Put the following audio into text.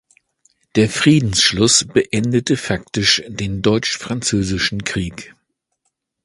Der Friedensschluss beendete faktisch den Deutsch-Französischen Krieg.